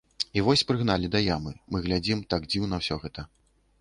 І вось прыгналі да ямы, мы глядзім, так дзіўна ўсё гэта.